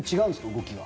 動きが。